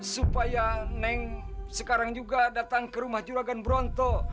supaya neng sekarang juga datang ke rumah juragan bronto